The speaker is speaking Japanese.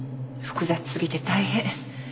複雑すぎて大変。